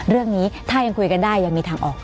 เรื่องนี้ถ้ายังคุยกันได้ยังมีทางออก